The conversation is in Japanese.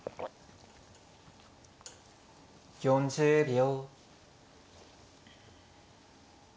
４０秒。